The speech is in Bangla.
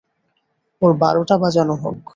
ওর বারোটা বাজানো হোক।